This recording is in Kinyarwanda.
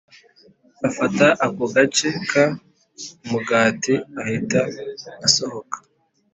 Afata ako gace k umugati ahita asohoka